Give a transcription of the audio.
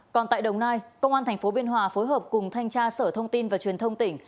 còn tại đồng nai công an tp biên hòa phối hợp cùng thanh tra sở thông tin và truyền thông tỉnh